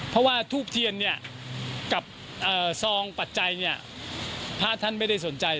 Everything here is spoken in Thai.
เพราะว่าทูบเทียนกับซองปัจจัยพระท่านไม่ได้สนใจ